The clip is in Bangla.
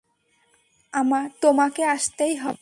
তোমাকে আসতেই হবে!